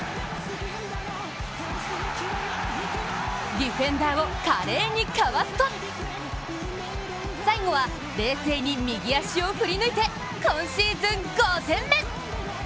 ディフェンダーを華麗にかわすと最後は冷静に右足を振り抜いて今シーズン５点目。